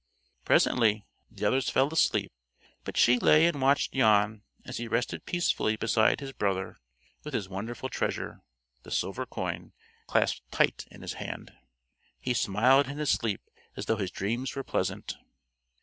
Presently the others fell asleep, but she lay and watched Jan as he rested peacefully beside his brother, with his wonderful treasure the silver coin clasped tight in his hand. He smiled in his sleep as though his dreams were pleasant.